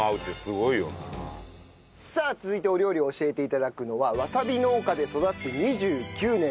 さあ続いてお料理を教えて頂くのはわさび農家で育って２９年